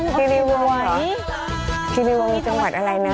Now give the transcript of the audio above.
คิริวงมีจังหวัดอะไรนะ